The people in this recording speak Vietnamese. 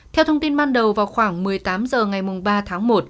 theo thông tin ban đầu vào khoảng một mươi tám h ngày ba tháng một